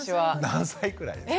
何歳くらいですか？